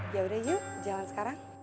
ya udah yuk jalan sekarang